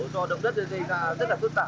do động đất gây ra rất là tốt tạm